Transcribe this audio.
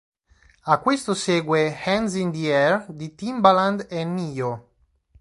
A questo segue "Hands in the air", di Timbaland e Ne-Yo.